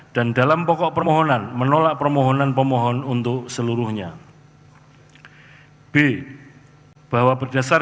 dan dalam pokok permohonan pemohonan pemohonan pemohonan pemohonan pemohonan pemohonan